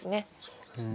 そうですね。